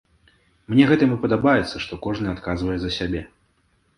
Мне гэтым і падабаецца, што кожны адказвае за сябе.